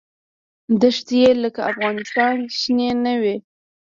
دښتې یې لکه افغانستان شنې نه وې.